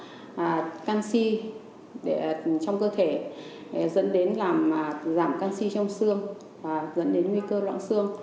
nguyên nhân là căn si trong cơ thể dẫn đến giảm căn si trong xương và dẫn đến nguy cơ loãng xương